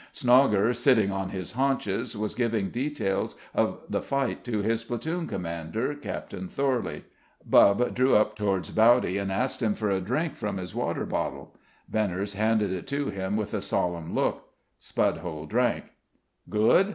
Snogger sitting on his haunches, was giving details of the fight to his platoon commander, Captain Thorley. Bubb drew up towards Bowdy and asked him for a drink from his water bottle. Benners handed it to him with a solemn look. Spudhole drank. "Good?"